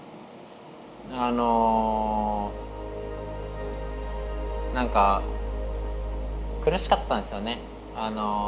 あの何か苦しかったんですよね。